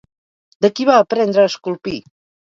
De qui va aprendre a esculpir?